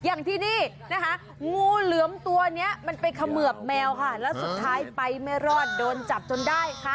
อย่างที่นี่นะคะงูเหลือมตัวนี้มันไปเขมือบแมวค่ะแล้วสุดท้ายไปไม่รอดโดนจับจนได้ค่ะ